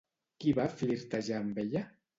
Qui va flirtejar amb ella?